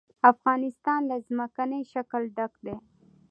افغانستان له ځمکنی شکل ډک دی.